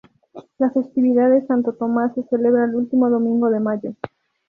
La festividad de Santo Tomás se celebra el último domingo de Mayo.